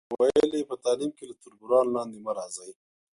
ویل یې، په تعلیم کې له تربورانو لاندې مه راځئ.